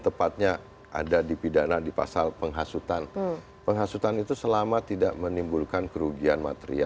tepatnya ada di pidana di pasal penghasutan penghasutan itu selama tidak menimbulkan kerugian material